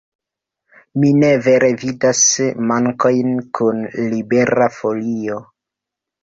Mi ne vere vidas mankojn kun Libera Folio.